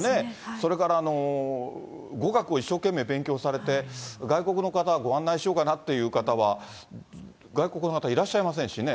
それから語学を一生懸命勉強されて、外国の方ご案内しようかなという方は、外国の方、いらっしゃいませんしね。